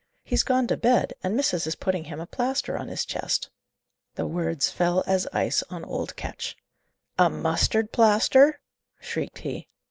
"He's gone to bed, and missis is putting him a plaster on his chest." The words fell as ice on old Ketch. "A mustard plaster?" shrieked he.